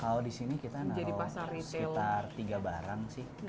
kalau di sini kita nari sekitar tiga barang sih